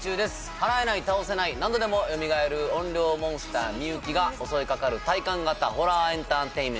はらえない倒せない何度でもよみがえる怨霊モンスター美雪が襲いかかる体感型ホラーエンターテインメントになっています。